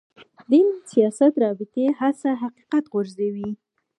دین سیاست رابطې هڅه حقیقت غورځوي.